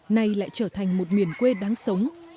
nay lại trở thành một miền quê đáng sống